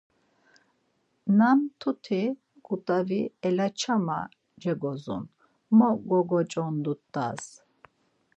Na mtuti ǩut̆avi elaçama cegozun, mo gogoç̌ondurt̆as!